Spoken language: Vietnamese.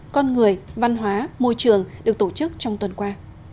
con người văn hóa môi trường được tổ chức trong tuần qua